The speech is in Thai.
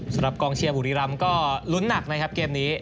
สำหรับกองเชียร์บุรีรำก็ลุ้นหนักนะครับเกมนี้